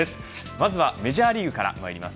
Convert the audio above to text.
まずはメジャーリーグからまいります。